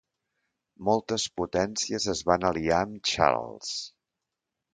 Moltes potències es van aliar amb Charles.